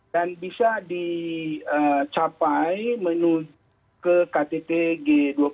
bisa dicapai menuju ke ktt g dua puluh